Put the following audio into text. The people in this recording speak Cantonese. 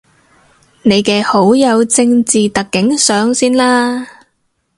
你嘅好友正字特警上線喇